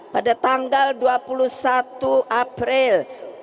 pada tanggal dua puluh satu april